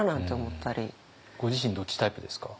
ご自身どっちタイプですか？